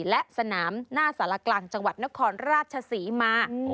และสนามหน้าสารกลางจังหวัดนครราชศรีมา